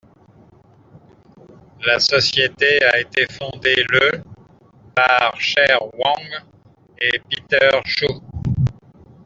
La société a été fondée le par Cher Wang et Peter Chou.